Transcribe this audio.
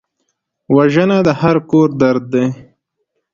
وژنه د هر کور درد دی